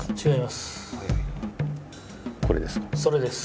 それです。